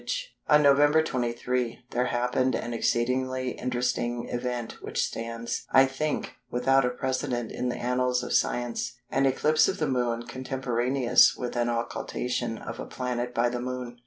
], on November 23, there happened an exceedingly interesting event which stands, I think, without a precedent in the annals of science—an eclipse of the Moon contemporaneous with an occultation of a planet by the Moon.